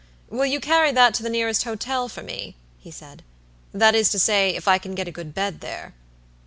"Will you carry that to the nearest hotel for me?" he asked"that is to say, if I can get a good bed there."